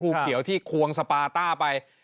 เขียวที่ควงสปาต้าไป